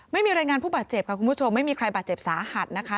ไม่มีรายงานผู้บาดเจ็บค่ะคุณผู้ชมไม่มีใครบาดเจ็บสาหัสนะคะ